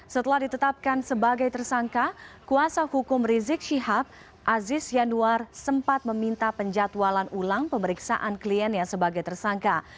setelah ditetapkan sebagai tersangka kuasa hukum rizik syihab aziz yanuar sempat meminta penjatualan ulang pemeriksaan kliennya sebagai tersangka